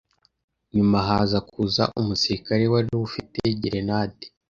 nyuma haza kuza umusirikare wari ufite gerenade